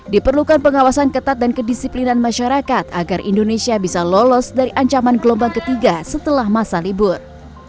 diperlukan pengawasan ketat dan kedisiplinan masyarakat agar indonesia bisa lolos dari ancaman gelombang ketiga setelah masa libur